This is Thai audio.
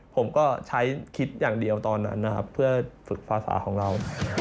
ผมก็ใช้คิดอย่างเดียวตอนนั้นนะครับเพื่อฝึกภาษาของเรา